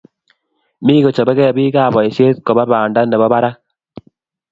Mii kochobekei bik ab boisheet koba banda nebo barak